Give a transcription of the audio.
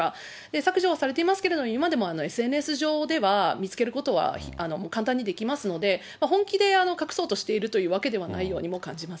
削除はされていますけれども、今でもＳＮＳ上では見つけることはもう簡単にできますので、本気で隠そうとしているというわけではないようにも感じます。